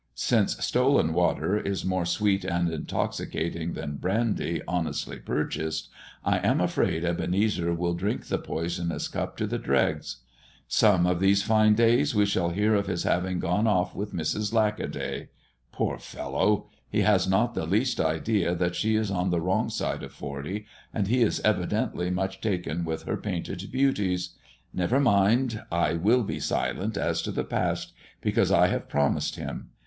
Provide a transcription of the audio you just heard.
Since stolen water is more sweet and intoxicating than brandy honestly purchased, I am afraid Ebenezer will drink the poisonous cup to the dregs. Some of these fine days we shall hear of his having gone off with Mrs. Lackaday. Poor fellow! he has not the least idea that she is on the wrong side of forty, and he is evidently much taken with her painted beauties. Never mind, I will be silent as to the past, because I have promised him.